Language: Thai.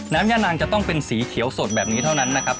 ย่านางจะต้องเป็นสีเขียวสดแบบนี้เท่านั้นนะครับ